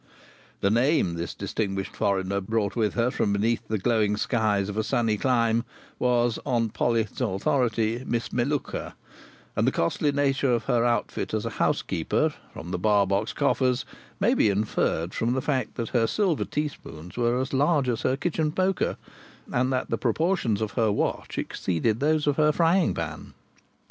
The name this distinguished foreigner brought with her from beneath the glowing skies of a sunny clime was (on Polly's authority) Miss Melluka, and the costly nature of her outfit as a housekeeper, from the Barbox coffers, may be inferred from the two facts that her silver teaspoons were as large as her kitchen poker, and that the proportions of her watch exceeded those of her frying pan.